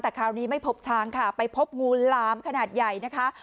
แต่คราวนี้ไม่พบช้างค่ะไปพบงูหลามขนาดใหญ่นะคะ